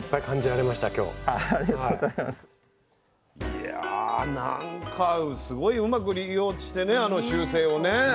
いやなんかすごいうまく利用してねあの習性をね。